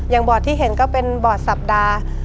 อย่างบอร์ดที่เห็นก็เป็นบอร์ดสัปดา